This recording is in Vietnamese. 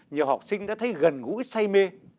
nhiều học sinh đã thấy gần gũi say mê